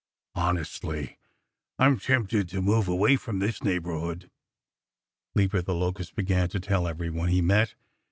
"Honestly, I'm tempted to move away from this neighborhood," Leaper the Locust began to tell everyone he met.